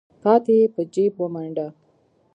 پاتې يې په جېب ومنډه.